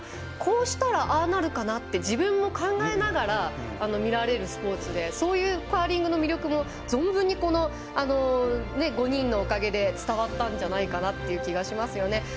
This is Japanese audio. こうしたらああなるかなって自分も考えながら見られるスポーツでそういうカーリングの魅力も存分に５人のおかげで伝わった気がしますよね。